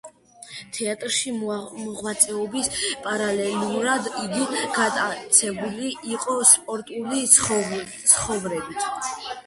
თეატრში მოღვაწეობის პარალელურად იგი გატაცებული იყო სპორტული ცხოვრებით.